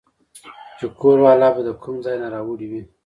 چې کور والا به د کوم ځاے نه راوړې وې